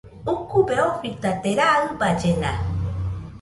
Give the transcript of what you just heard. Ukube ofitate raa ɨballena